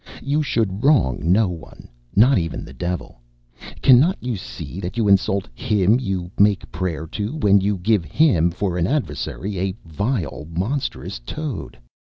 You should wrong no one, not even the Devil. Cannot you see that you insult Him you make prayer to, when you give Him for adversary a vile, monstrous toad?